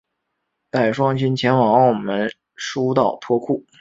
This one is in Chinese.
带双亲前往澳门输到脱裤